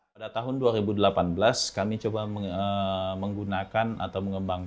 pada tahun dua ribu delapan belas kami coba menggunakan atau mengembangkan